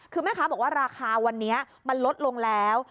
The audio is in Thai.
คือแม่ค้าบอกว่าราคาวันนี้มันลดลงแล้ว